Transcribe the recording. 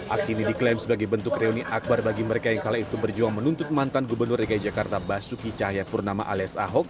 aksi ini diklaim sebagai bentuk reuni akbar bagi mereka yang kala itu berjuang menuntut mantan gubernur dki jakarta basuki cahayapurnama alias ahok